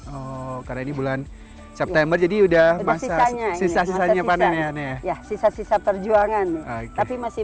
oh karena ini bulan september jadi udah masa sisa sisanya panen ya sisa sisa perjuangan tapi masih